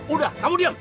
udah kamu diam